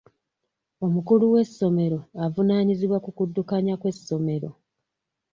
Omukulu w'essomero avunaanyizibwa ku kuddukanya kw'essomero.